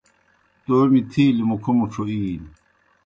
تومیْ تِھیلیْ مُکھہ مُڇھو اِینیْ